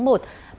với bệnh nhân